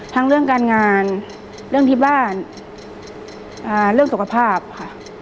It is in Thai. เรื่องการงานเรื่องที่บ้านเรื่องสุขภาพค่ะ